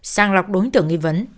sang lọc đối tượng nghi vấn